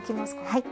はい。